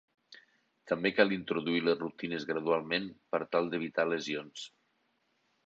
També cal introduir les rutines gradualment, per tal d'evitar lesions.